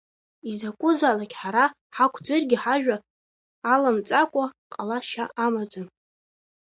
Изакәызаалак, ҳара ҳақәӡыргьы, ҳажәа аламҵакәа ҟалашьа амаӡам.